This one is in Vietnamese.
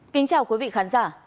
kính chào quý vị khán giả